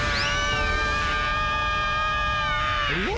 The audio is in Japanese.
え？